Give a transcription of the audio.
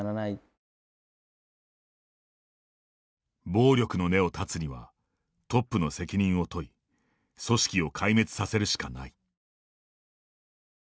暴力の根を断つにはトップの責任を問い組織を壊滅させるしかない。